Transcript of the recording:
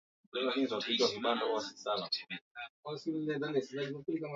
Ulemavu walau wa mguu mmoja ni dalili ya ugonjwa wa kuoza kwato kwa ngombe